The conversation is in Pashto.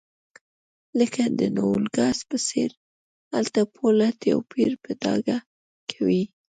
لکه د نوګالس په څېر هلته پوله توپیر په ډاګه کوي.